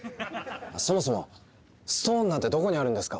そもそもストーンなんてどこにあるんですか？